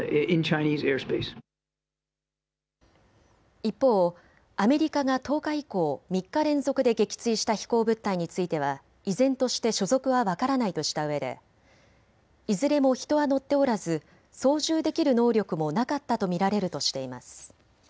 一方、アメリカが１０日以降、３日連続で撃墜した飛行物体については依然として所属は分からないとしたうえでいずれも人は乗っておらず操縦できる能力もなかったと見られるとしています。